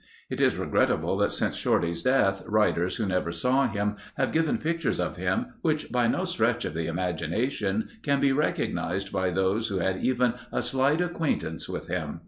It is regrettable that since Shorty's death, writers who never saw him have given pictures of him which by no stretch of the imagination can be recognized by those who had even a slight acquaintance with him.